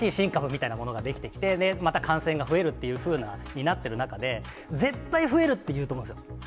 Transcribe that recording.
なんか新しい新株みたいなものが出来てきて、また感染が増えるっていうふうになってる中で、絶対増えるって言うと思うんですよ。